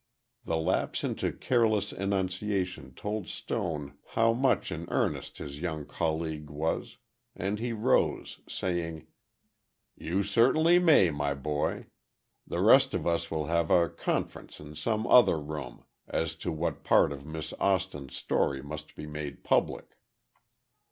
The lapse into careless enunciation told Stone how much in earnest his young colleague was, and he rose, saying, "You certainly may, my boy. The rest of us will have a conference in some other room, as to what part of Miss Austin's story must be made public."